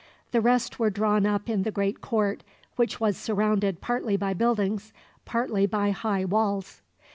The rest were drawn up in the great court, which was surrounded partly by buildings, partly by high walls.